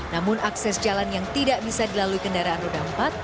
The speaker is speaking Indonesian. namun akses jalan yang tidak bisa dilalui kendaraan roda empat